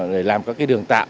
để làm các đường tạm